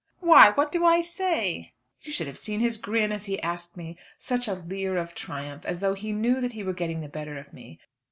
"Why, what do I say?" You should have seen his grin as he asked me; such a leer of triumph, as though he knew that he were getting the better of me.